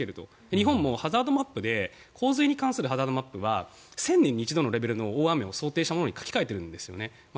日本もハザードマップで洪水に関するハザードマップは１０００年に一度の大雨を想定したものに書き換えているんですね。